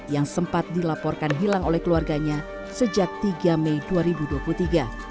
yang sempat dilaporkan hilang oleh keluarganya sejak tiga mei dua ribu dua puluh tiga